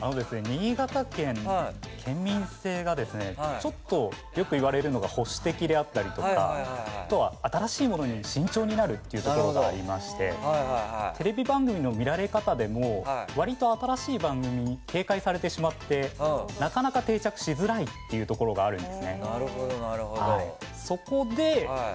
新潟県の県民性はよく言われるのは保守的であったりとか新しいものに慎重であると言われていましてテレビ番組の見られ方でも割と新しい番組は警戒されてしまってなかなか定着しづらいというところがあるんですね。